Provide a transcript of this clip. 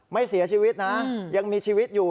ไม่เสียชีวิตนะยังมีชีวิตอยู่